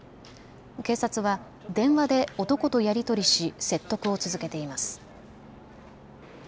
警察は電話で男とやり取りし説得を続けています。